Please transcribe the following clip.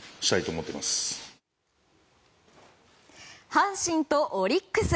阪神とオリックス。